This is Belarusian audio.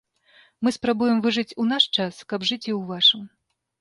Мы спрабуем выжыць у наш час, каб жыць і ў вашым.